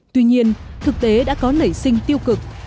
tuy nhiên thực tế đã có nảy sinh tiêu cực